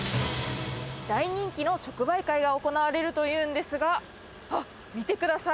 大人気の直売会が行われるというんですが、あっ、見てください。